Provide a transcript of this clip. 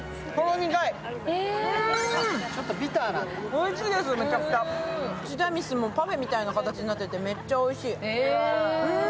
おいしいです、めちゃくちゃティラミスもパフェみたいな形になっていて、めっちゃおいしい。